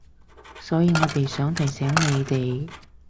所以我哋想提醒你哋